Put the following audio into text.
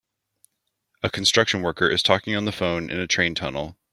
A construction worker is talking on the phone in a train tunnel.